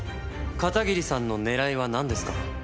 片桐さんの狙いはなんですか？